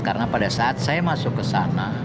karena pada saat saya masuk ke sana